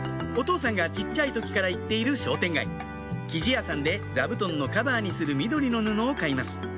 お父さんが小っちゃい時から行っている商店街生地屋さんで座布団のカバーにする緑の布を買います